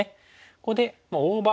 ここで大場。